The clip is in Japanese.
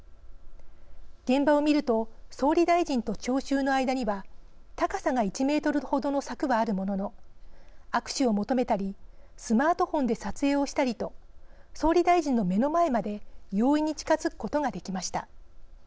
現場を見ると総理大臣と聴衆の間には高さが１メートル程の柵はあるものの握手を求めたりスマートフォンで撮影をしたりと総理大臣の目の前まで容易に近づくことができました。